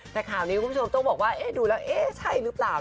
แต่ข่าวนี้คุณผู้ชมต้องบอกว่าดูแล้วเอ๊ะใช่หรือเปล่า